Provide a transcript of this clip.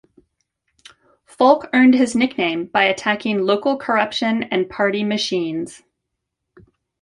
Folk earned his nickname by attacking local corruption and party machines.